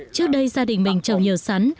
trước đây gia đình mình trồng nhiều sắn